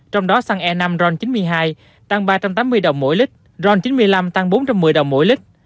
trong đó xăng e năm ron chín mươi hai tăng ba trăm tám mươi đồng mỗi lít ron chín mươi năm tăng bốn trăm một mươi đồng mỗi lít